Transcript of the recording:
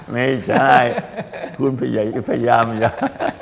ไม่ใช่คุณพยายามอย่า